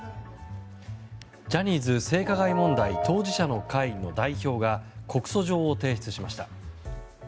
ジャニーズ性加害問題当事者の会の代表が告訴状を提出しました。